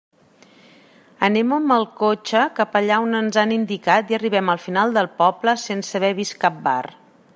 Anem amb el cotxe cap allà on ens han indicat i arribem al final del poble sense haver vist cap bar.